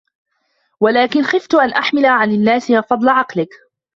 وَلَكِنْ خِفْت أَنْ أَحْمِلَ عَلَى النَّاسِ فَضْلَ عَقْلِك